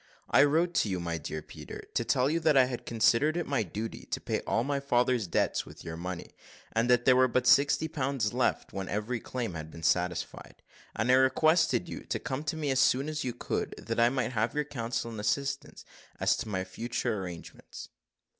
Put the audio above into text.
"I wrote to you, my dear Peter, to tell you that I had considered it my duty to pay all my father's debts with your money, and that there were but sixty pounds left when every claim had been satisfied; and I requested you to come to me as soon as you could, that I might have your counsel and assistance as to my future arrangements."